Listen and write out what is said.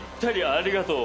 ありがとう。